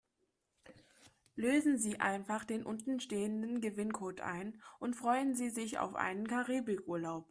Lösen Sie einfach den unten stehenden Gewinncode ein und freuen Sie sich auf einen Karibikurlaub.